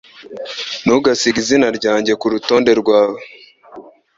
Ntugasige izina ryanjye kurutonde rwawe